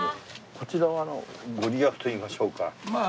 こちらは御利益といいましょうか。